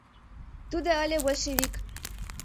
— Тудо ыле большевик!